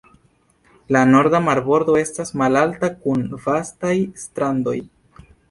La norda marbordo estas malalta, kun vastaj strandoj.